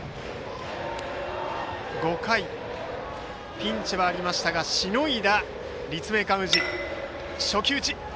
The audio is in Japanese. ５回、ピンチはありましたがしのいだ立命館宇治。